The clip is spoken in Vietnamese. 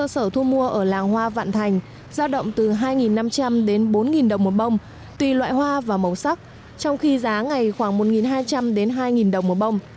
sở thu mua ở làng hoa vạn thành giao động từ hai năm trăm linh đến bốn đồng một bông tùy loại hoa và màu sắc trong khi giá ngày khoảng một hai trăm linh đến hai đồng một bông